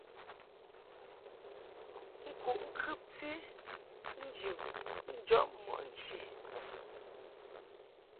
Kuʼ ŋkɨbti nji u njɔb mɔʼ nchi.